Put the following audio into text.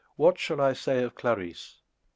What shall I say of Clarisse?